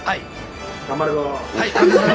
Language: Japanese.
頑張るぞ。